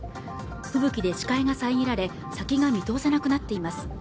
吹雪で視界が遮られ先が見通せなくなっています